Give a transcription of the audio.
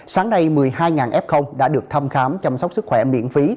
sáng nay một mươi hai f đã được thăm khám chăm sóc sức khỏe miễn phí